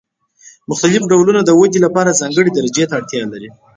مختلف ډولونه د ودې لپاره ځانګړې درجې ته اړتیا لري.